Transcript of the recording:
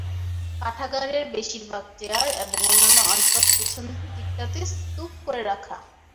পাঠাগারের বেশির ভাগ চেয়ার এবং অন্যান্য আসবাব পেছন দিকটাতে স্তূপ করে রাখা।